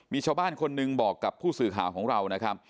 มีชาวบ้านคนหนึ่งบอกกับผู้สื่อข่าวของเรานะครับ